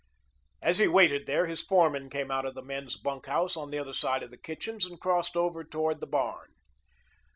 As he waited there, his foreman came out of the men's bunk house, on the other side of the kitchens, and crossed over toward the barn.